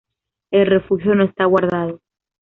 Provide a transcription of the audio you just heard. El refugio no está guardado.